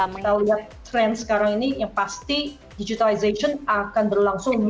kita lihat tren sekarang ini yang pasti digitalization akan berlangsung